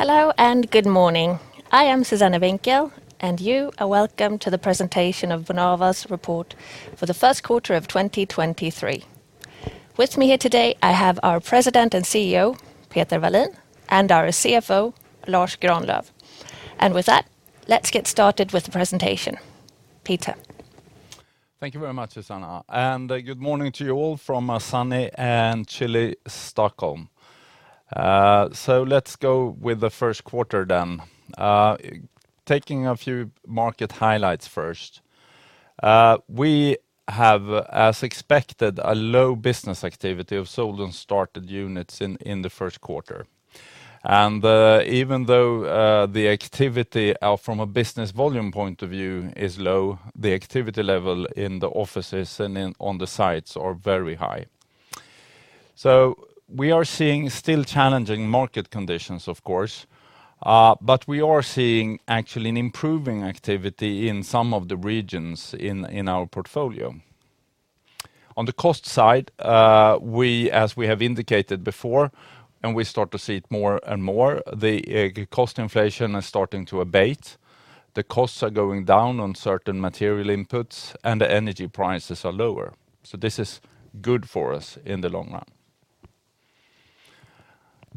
Hello, good morning. I am Susanna Winkiel. You are welcome to the presentation of Bonava's report for the first quarter of 2023. With me here today, I have our President and CEO, Peter Wallin, and our CFO, Lars Granlöf. With that, let's get started with the presentation. Peter. Thank you very much, Susanna, and good morning to you all from a sunny and chilly Stockholm. Let's go with the first quarter then. Taking a few market highlights first. We have, as expected, a low business activity of sold and started units in the first quarter. Even though the activity from a business volume point of view is low, the activity level in the offices and on the sites are very high. We are seeing still challenging market conditions, of course. We are seeing actually an improving activity in some of the regions in our portfolio. On the cost side, we, as we have indicated before, and we start to see it more and more, the cost inflation is starting to abate. The costs are going down on certain material inputs, and the energy prices are lower. This is good for us in the long run.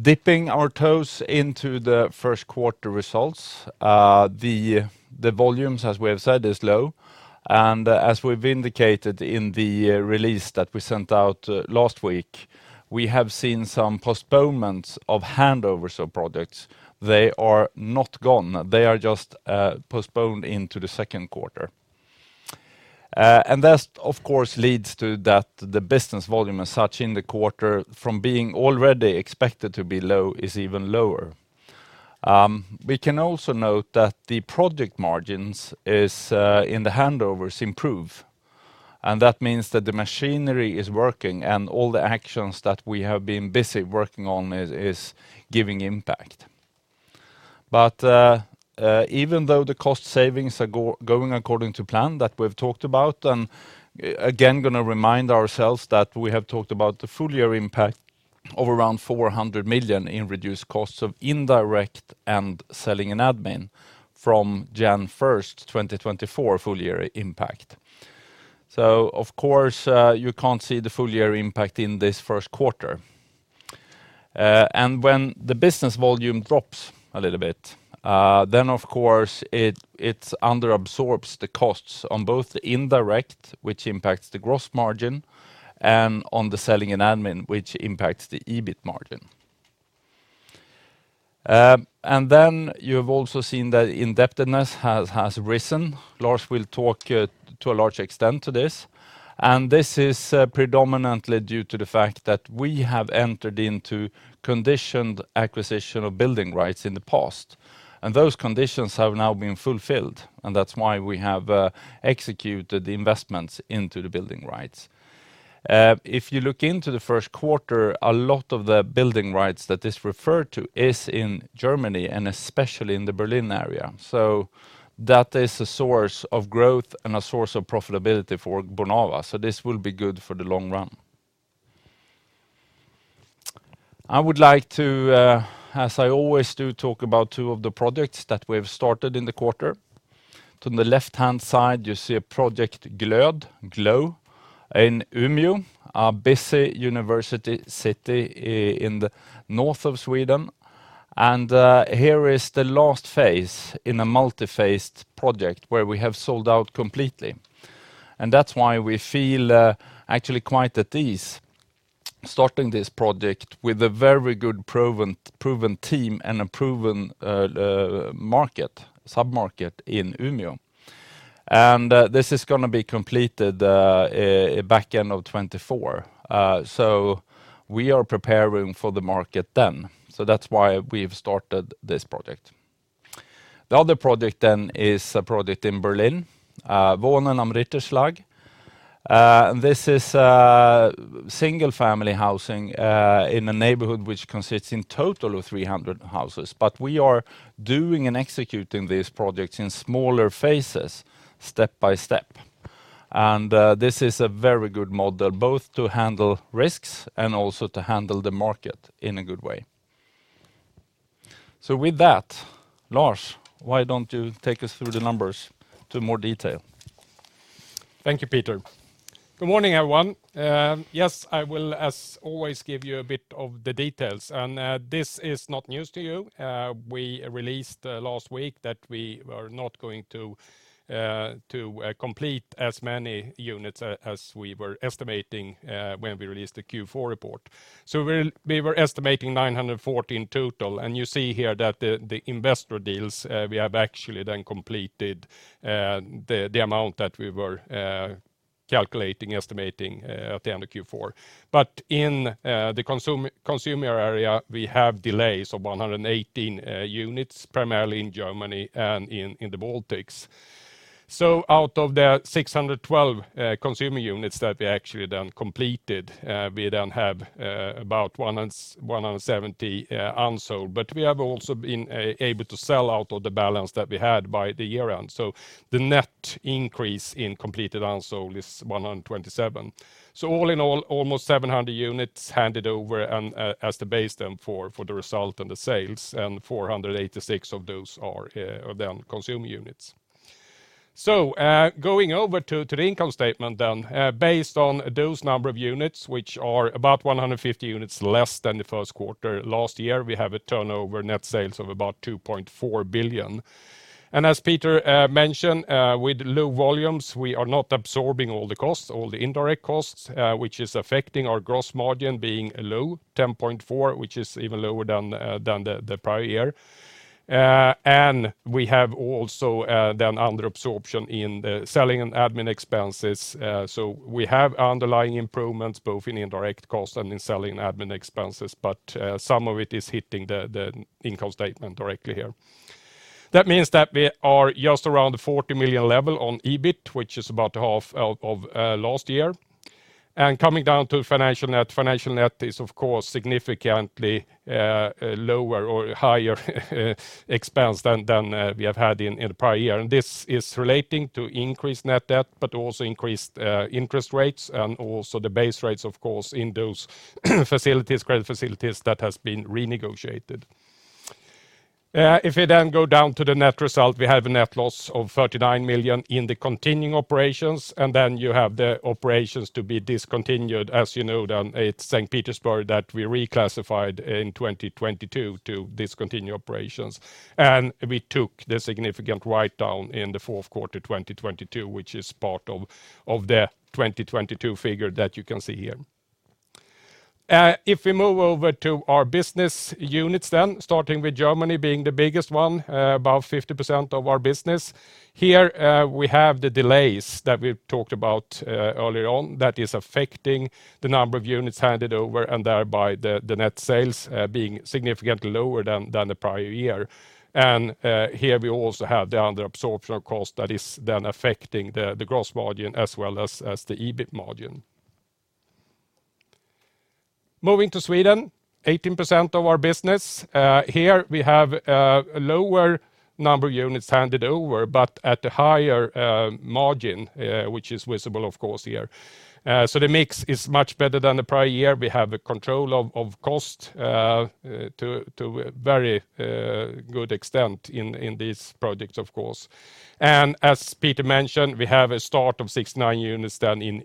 Dipping our toes into the 1st quarter results, the volumes, as we have said, is low. As we've indicated in the release that we sent out last week, we have seen some postponements of handovers of products. They are not gone. They are just postponed into the 2nd quarter. That, of course, leads to that the business volume as such in the quarter from being already expected to be low is even lower. We can also note that the project margins is in the handovers improve. That means that the machinery is working and all the actions that we have been busy working on is giving impact. Even though the cost savings are going according to plan that we've talked about, again gonna remind ourselves that we have talked about the full year impact of around 400 million in reduced costs of indirect and selling and admin from January 1, 2024 full year impact. Of course, you can't see the full year impact in this 1st quarter. When the business volume drops a little bit, then of course it underabsorbs the costs on both the indirect, which impacts the gross margin, and on the selling and admin, which impacts the EBIT margin. Then you've also seen that indebtedness has risen. Lars will talk to a large extent to this. This is predominantly due to the fact that we have entered into conditioned acquisition of building rights in the past, and those conditions have now been fulfilled. That's why we have executed the investments into the building rights. If you look into the first quarter, a lot of the building rights that is referred to is in Germany and especially in the Berlin area. That is a source of growth and a source of profitability for Bonava. This will be good for the long run. I would like to, as I always do, talk about two of the projects that we have started in the quarter. To the left-hand side, you see a project Glöd, Glow, in Umeå, a busy university city in the north of Sweden. Here is the last phase in a multi-phased project where we have sold out completely. That's why we feel actually quite at ease starting this project with a very good proven team and a proven market, sub-market in Umeå. This is gonna be completed back end of 2024. We are preparing for the market then. That's why we've started this project. The other project then is a project in Berlin, Wohnen am Ritterschlag. This is single family housing in a neighborhood which consists in total of 300 houses. We are doing and executing this project in smaller phases step by step. This is a very good model both to handle risks and also to handle the market in a good way. With that, Lars, why don't you take us through the numbers to more detail? Thank you, Peter. Good morning, everyone. Yes, I will, as always, give you a bit of the details. This is not news to you. We released last week that we are not going to complete as many units as we were estimating when we released the Q4 report. We were estimating 914 total. You see here that the investor deals we have actually then completed the amount that we were calculating, estimating at the end of Q4. In the consumer area, we have delays of 118 units, primarily in Germany and in the Baltics. Out of the 612 consumer units that we actually then completed, we then have about 170 unsold. We have also been able to sell out of the balance that we had by the year-end. The net increase in completed unsold is 127. All in all, almost 700 units handed over and as the base then for the result and the sales, and 486 of those are then consumer units. Going over to the income statement then. Based on those number of units, which are about 150 units less than the first quarter last year, we have a turnover net sales of about 2.4 billion. As Peter mentioned, with low volumes, we are not absorbing all the costs, all the indirect costs, which is affecting our gross margin being low, 10.4%, which is even lower than the prior year. We have also then under absorption in the selling and admin expenses. We have underlying improvements both in indirect costs and in selling admin expenses, but some of it is hitting the income statement directly here. That means that we are just around the 40 million level on EBIT, which is about half out of last year. Coming down to financial net. Financial net is, of course, significantly lower or higher expense than we have had in the prior year. This is relating to increased net debt but also increased interest rates and also the base rates, of course, in those facilities, credit facilities that has been renegotiated. If we go down to the net result, we have a net loss of 39 million in the continuing operations, you have the operations to be discontinued. As you know, it's St. Petersburg that we reclassified in 2022 to discontinue operations. We took the significant write-down in the fourth quarter 2022, which is part of the 2022 figure that you can see here. If we move over to our business units, starting with Germany being the biggest one, about 50% of our business. Here, we have the delays that we talked about earlier on that is affecting the number of units handed over and thereby the net sales being significantly lower than the prior year. Here we also have the under absorption of cost that is then affecting the gross margin as well as the EBIT margin. Moving to Sweden, 18% of our business. Here we have a lower number of units handed over, but at a higher margin, which is visible of course here. The mix is much better than the prior year. We have a control of cost to a very good extent in these projects of course. As Peter mentioned, we have a start of 69 units then in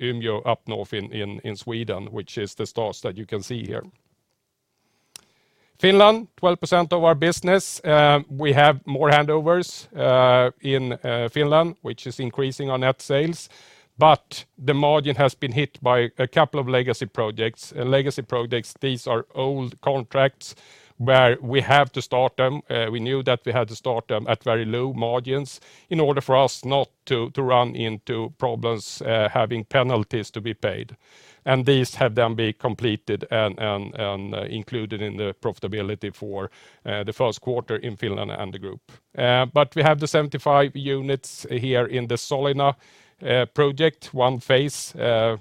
Umeå up north in Sweden, which is the starts that you can see here. Finland, 12% of our business. We have more handovers in Finland, which is increasing our net sales. The margin has been hit by a couple of legacy projects. Legacy projects, these are old contracts where we have to start them. We knew that we had to start them at very low margins in order for us not to run into problems, having penalties to be paid. These have then been completed and included in the profitability for the first quarter in Finland and the group. We have the 75 units here in the Solina project. One phase,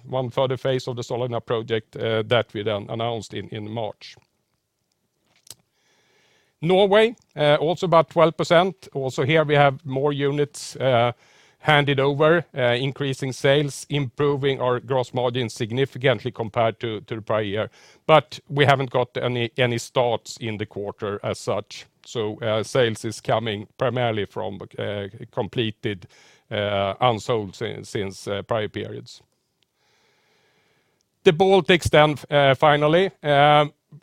one further phase of the Solina project that we announced in March. Norway, also about 12%. Also here we have more units handed over, increasing sales, improving our gross margin significantly compared to the prior year. We haven't got any starts in the quarter as such. Sales is coming primarily from completed unsolds since prior periods. The Baltics finally.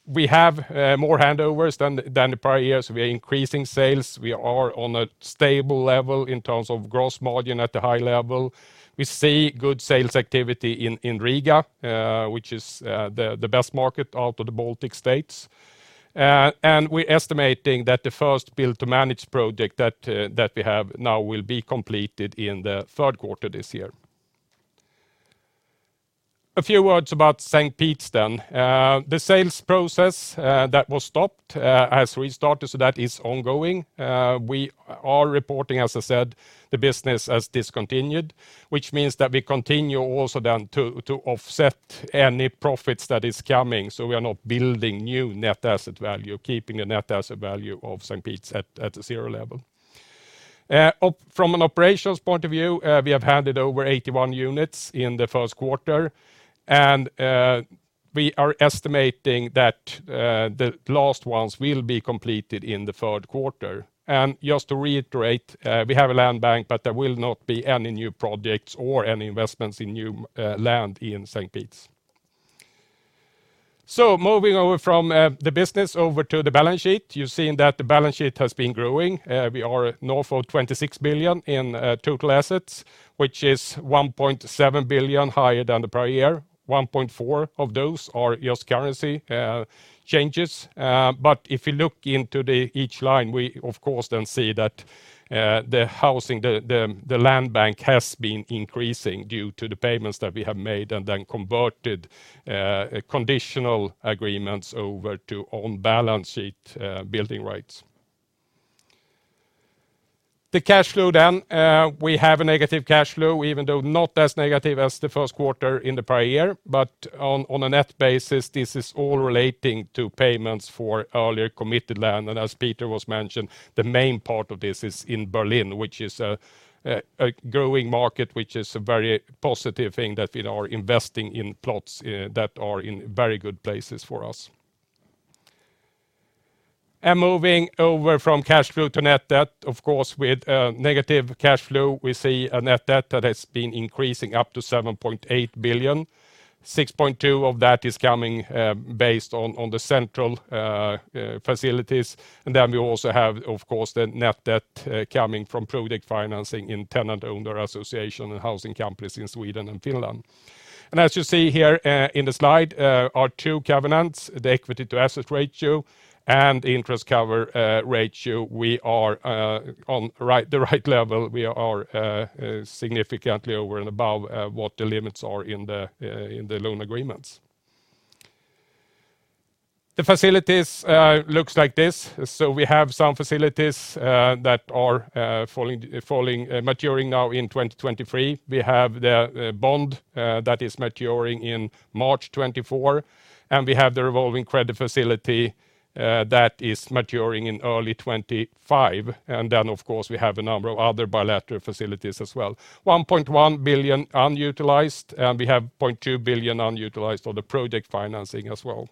We have more handovers than the prior years. We are increasing sales. We are on a stable level in terms of gross margin at a high level. We see good sales activity in Riga, which is the best market out of the Baltic states. We're estimating that the first Build to Manage project that we have now will be completed in the third quarter this year. A few words about St. Pete's then. The sales process that was stopped as we started, that is ongoing. We are reporting, as I said, the business as discontinued, which means that we continue also then to offset any profits that is coming, we are not building new net asset value, keeping the net asset value of St. Pete's at a zero level. From an operations point of view, we have handed over 81 units in the first quarter. We are estimating that the last ones will be completed in the third quarter. Just to reiterate, we have a land bank, but there will not be any new projects or any investments in new land in St. Pete's. Moving over from the business over to the balance sheet. You've seen that the balance sheet has been growing. We are north of 26 billion in total assets, which is 1.7 billion higher than the prior year. 1.4 billion of those are just currency changes. If you look into the each line, we of course then see that the housing, the land bank has been increasing due to the payments that we have made and then converted conditional agreements over to on-balance sheet building rights. The cash flow then, we have a negative cash flow even though not as negative as the first quarter in the prior year. On a net basis, this is all relating to payments for earlier committed land. As Peter was mentioned, the main part of this is in Berlin, which is a growing market which is a very positive thing that we are investing in plots that are in very good places for us. Moving over from cash flow to net debt, of course, with negative cash flow, we see a net debt that has been increasing up to 7.8 billion. 6.2 billion of that is coming based on the central facilities. Then we also have, of course, the net debt coming from project financing in tenant-owner association and housing companies in Sweden and Finland. As you see here in the slide, our two covenants, the equity/assets ratio and interest cover ratio, we are on the right level. We are significantly over and above what the limits are in the loan agreements. The facilities looks like this. We have some facilities that are falling, maturing now in 2023. We have the bond that is maturing in March 2024, and we have the revolving credit facility that is maturing in early 2025. Of course, we have a number of other bilateral facilities as well. 1.1 billion unutilized, and we have 0.2 billion unutilized on the project financing as well.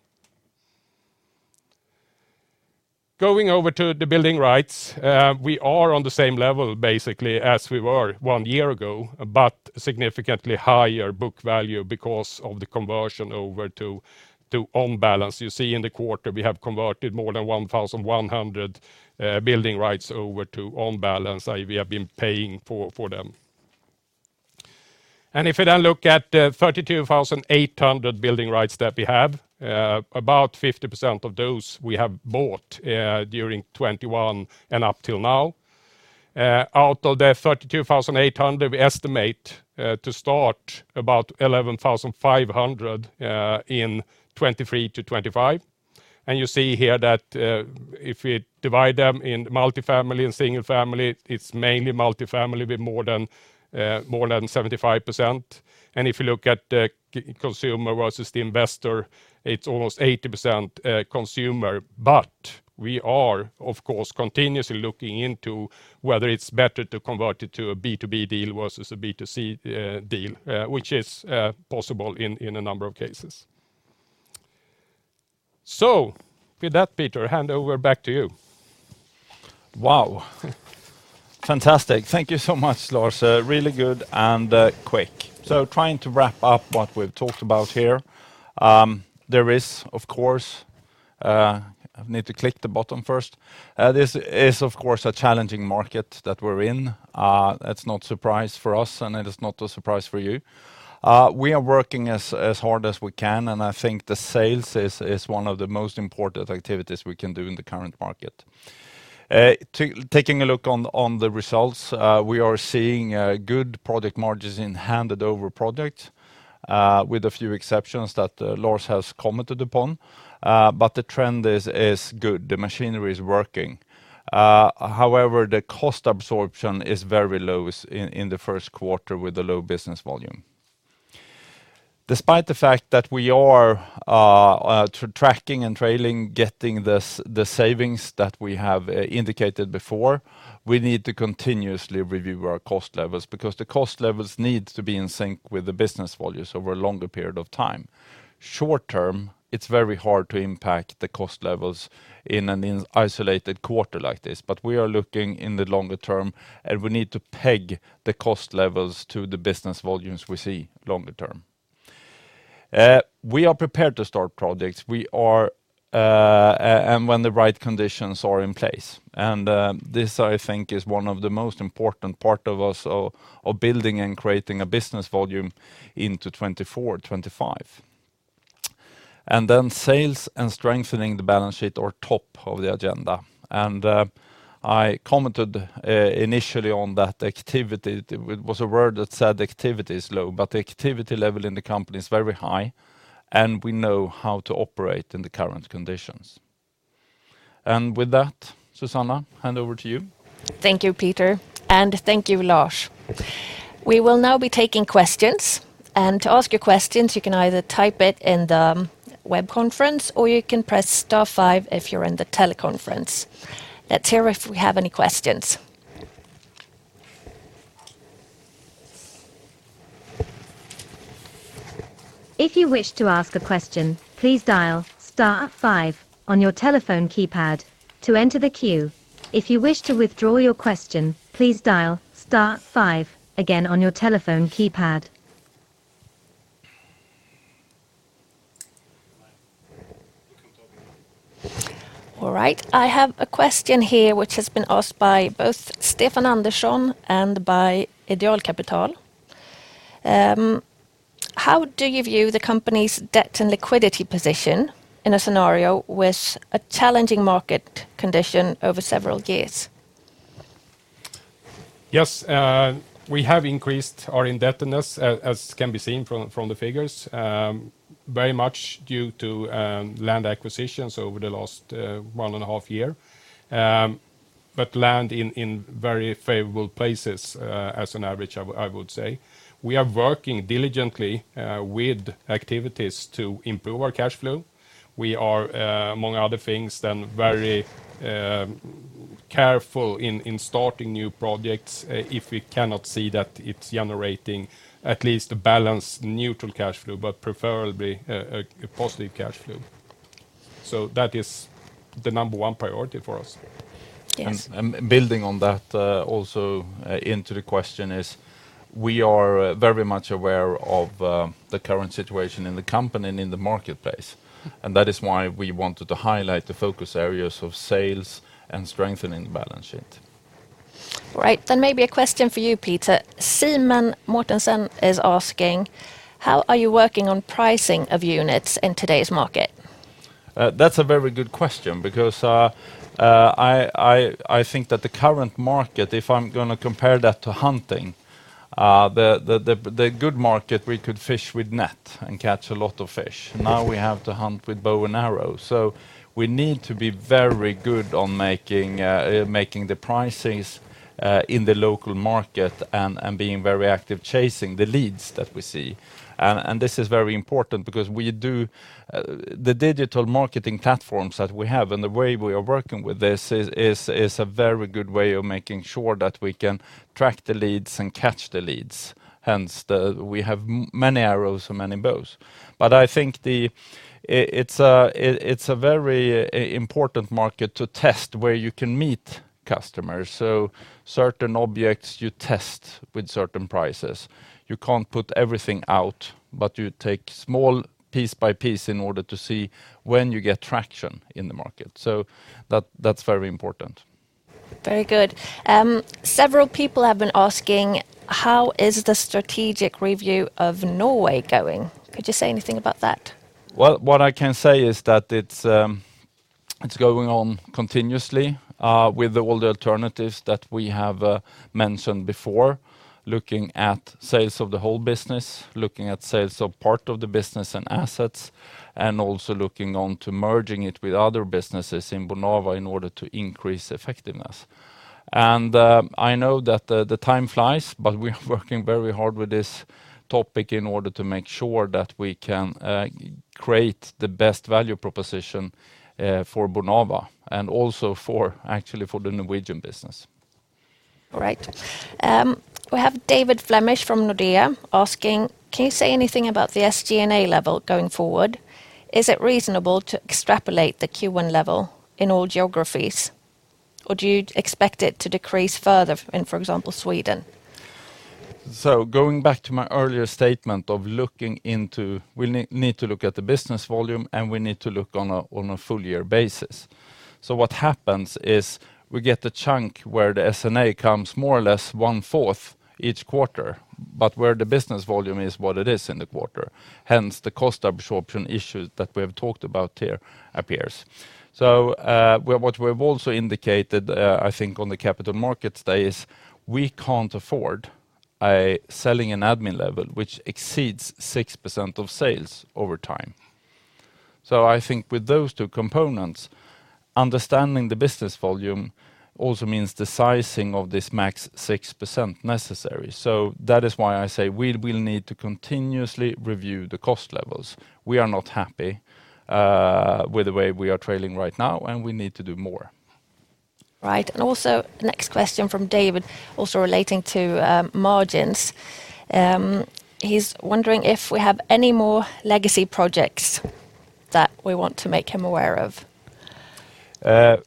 Going over to the building rights, we are on the same level basically as we were 1 year ago, but significantly higher book value because of the conversion over to own balance. You see in the quarter we have converted more than 1,100 building rights over to own balance. We have been paying for them. If you then look at the 32,800 building rights that we have, about 50% of those we have bought during 2021 and up till now. Out of the 32,800, we estimate to start about 11,500 in 2023-2025. You see here that if we divide them in multifamily and single family, it's mainly multifamily with more than 75%. If you look at the consumer versus the investor, it's almost 80% consumer. We are, of course, continuously looking into whether it's better to convert it to a B2B deal versus a B2C deal, which is possible in a number of cases. With that, Peter, hand over back to you. Wow. Fantastic. Thank you so much, Lars. really good and quick. Trying to wrap up what we've talked about here. There is, of course. I need to click the button first. This is of course a challenging market that we're in. That's not surprise for us, and it is not a surprise for you. We are working as hard as we can, and I think the sales is one of the most important activities we can do in the current market. taking a look on the results, we are seeing good product margins in handed-over projects, with a few exceptions that Lars has commented upon. The trend is good. The machinery is working. However, the cost absorption is very low in the first quarter with the low business volume. Despite the fact that we are tracking and trailing, getting the savings that we have indicated before, we need to continuously review our cost levels because the cost levels need to be in sync with the business volumes over a longer period of time. Short term, it's very hard to impact the cost levels in an isolated quarter like this. We are looking in the longer term, and we need to peg the cost levels to the business volumes we see longer term. We are prepared to start projects. We are, and when the right conditions are in place. This, I think is one of the most important part of us of building and creating a business volume into 2024, 2025. Sales and strengthening the balance sheet are top of the agenda. I commented initially on that activity. It was a word that said activity is low, but the activity level in the company is very high, and we know how to operate in the current conditions. With that, Susanna, hand over to you. Thank you, Peter. Thank you, Lars. We will now be taking questions. To ask your questions, you can either type it in the web conference or you can press star five if you're in the teleconference. Let's hear if we have any questions. If you wish to ask a question, please dial star five on your telephone keypad to enter the queue. If you wish to withdraw your question, please dial star five again on your telephone keypad. All right. I have a question here which has been asked by both Stefan Andersson and by Ideal Capital. How do you view the company's debt and liquidity position in a scenario with a challenging market condition over several years? Yes, we have increased our indebtedness as can be seen from the figures, very much due to land acquisitions over the last one and a half year. Land in very favorable places, as an average I would say. We are working diligently with activities to improve our cash flow. We are among other things then very careful in starting new projects if we cannot see that it's generating at least a balanced neutral cash flow, but preferably a positive cash flow. That is the number one priority for us. Yes. building on that, also, into the question is we are very much aware of the current situation in the company and in the marketplace. That is why we wanted to highlight the focus areas of sales and strengthening the balance sheet. Right. Maybe a question for you, Peter. Simen Mortensen is asking: How are you working on pricing of units in today's market? That's a very good question because I think that the current market, if I'm gonna compare that to hunting, the good market we could fish with net and catch a lot of fish. Now we have to hunt with bow and arrow. We need to be very good on making making the pricings in the local market and being very active chasing the leads that we see. This is very important because we do the digital marketing platforms that we have and the way we are working with this is a very good way of making sure that we can track the leads and catch the leads, hence we have many arrows and many bows. I think the. It's a very important market to test where you can meet customers. Certain objects you test with certain prices. You can't put everything out, but you take small piece by piece in order to see when you get traction in the market. That's very important. Very good. Several people have been asking: How is the strategic review of Norway going? Could you say anything about that? Well, what I can say is that it's going on continuously with all the alternatives that we have mentioned before. Looking at sales of the whole business, looking at sales of part of the business and assets, and also looking on to merging it with other businesses in Bonava in order to increase effectiveness. I know that the time flies, but we're working very hard with this topic in order to make sure that we can create the best value proposition for Bonava, and also for, actually for the Norwegian business. All right. We have David Flemmich from Nordea asking: Can you say anything about the SG&A level going forward? Is it reasonable to extrapolate the Q1 level in all geographies? Do you expect it to decrease further in, for example, Sweden? Going back to my earlier statement of looking into we need to look at the business volume, and we need to look on a full year basis. What happens is we get a chunk where the SG&A comes more or less one-fourth each quarter, but where the business volume is what it is in the quarter. Hence, the cost absorption issue that we have talked about here appears. What we've also indicated, I think on the Capital Markets Day is we can't afford a selling and admin level which exceeds 6% of sales over time. I think with those two components, understanding the business volume also means the sizing of this max 6% necessary. That is why I say we will need to continuously review the cost levels. We are not happy, with the way we are trailing right now, and we need to do more. Right. Next question from David, also relating to margins. He's wondering if we have any more legacy projects that we want to make him aware of. I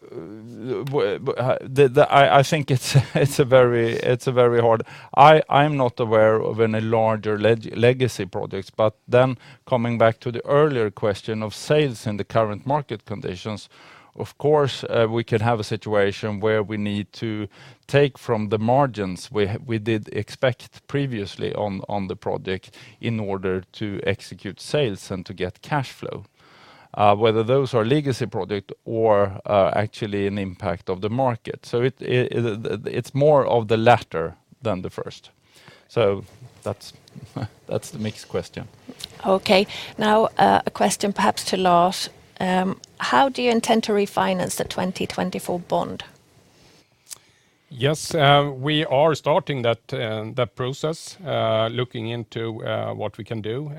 think it's a very hard... I'm not aware of any larger legacy projects. Coming back to the earlier question of sales in the current market conditions, of course, we could have a situation where we need to take from the margins we did expect previously on the project in order to execute sales and to get cash flow. Whether those are legacy project or actually an impact of the market. It's more of the latter than the first. That's the mixed question. Okay. A question perhaps to Lars. How do you intend to refinance the 2024 bond? Yes. We are starting that process looking into what we can do.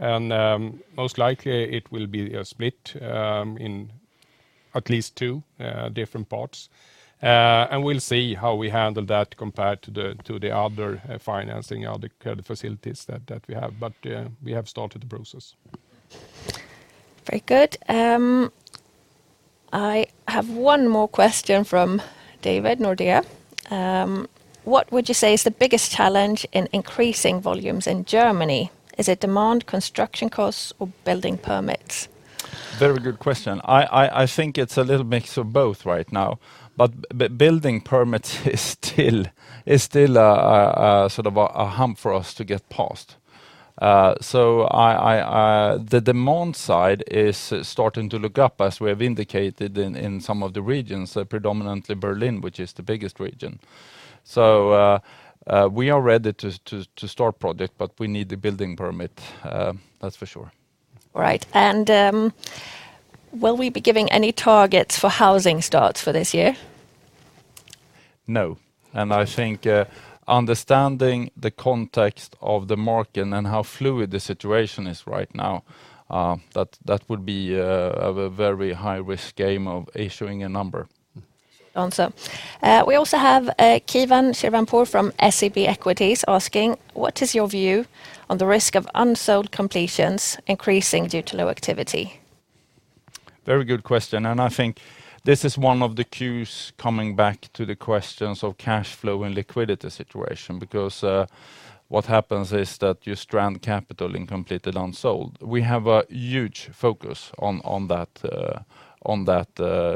Most likely it will be a split in at least two different parts. We'll see how we handle that compared to the other financing or the credit facilities that we have. We have started the process. Very good. I have one more question from David, Nordea. What would you say is the biggest challenge in increasing volumes in Germany? Is it demand, construction costs or building permits? Very good question. I think it's a little mix of both right now. Building permits is still a sort of a hump for us to get past. The demand side is starting to look up as we have indicated in some of the regions, predominantly Berlin, which is the biggest region. We are ready to start project, but we need the building permit, that's for sure. All right. Will we be giving any targets for housing starts for this year? No. I think, understanding the context of the market and how fluid the situation is right now, that would be a very high risk game of issuing a number. Answer. We also have, Keivan Shirvanpour from SEB Equities asking: What is your view on the risk of unsold completions increasing due to low activity? Very good question. I think this is one of the cues coming back to the questions of cash flow and liquidity situation. What happens is that you strand capital in completed unsold. We have a huge focus on that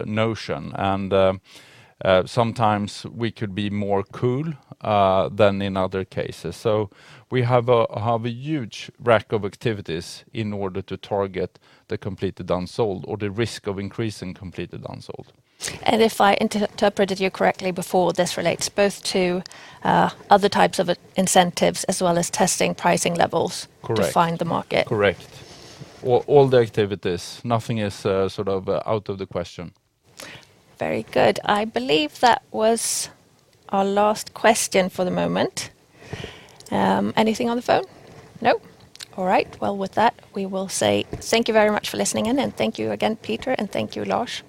notion. Sometimes we could be more cool than in other cases. We have a huge rack of activities in order to target the completed unsold or the risk of increasing completed unsold. If I interpreted you correctly before, this relates both to other types of incentives as well as testing pricing levels- Correct.... to find the market. Correct. All the activities. Nothing is sort of out of the question. Very good. I believe that was our last question for the moment. Anything on the phone? Nope. All right. Well, with that, we will say thank you very much for listening in. Thank you again, Peter, and thank you, Lars.